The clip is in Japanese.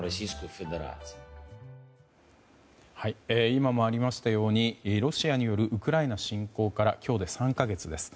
今もありましたようにロシアによるウクライナ侵攻から今日で３か月です。